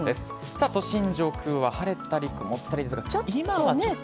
さあ、都心上空は晴れたり曇ったりですが、今はちょっと。